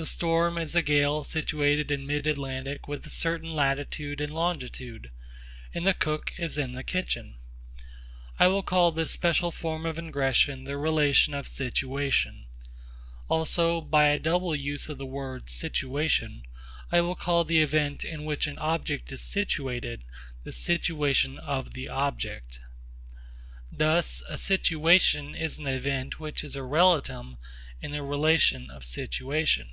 The storm is a gale situated in mid Atlantic with a certain latitude and longitude, and the cook is in the kitchen. I will call this special form of ingression the 'relation of situation'; also, by a double use of the word 'situation,' I will call the event in which an object is situated 'the situation of the object.' Thus a situation is an event which is a relatum in the relation of situation.